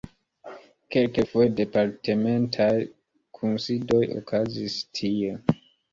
Kelkfoje departementaj kunsidoj okazis tie.